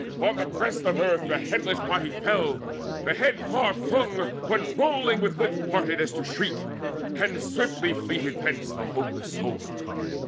On the breast of earth The headless body fell: the head far flung Went rolling with lips parted as to shriek; And swiftly fleeted thence the homeless soul.